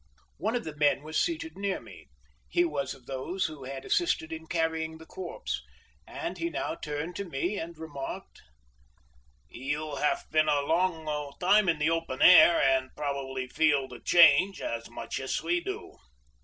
One of the men was seated near me; he was of those who had assisted in carrying the corpse, and he now turned to me and remarked: "You have been a long time in the open air, and probably feel the change as much as we do."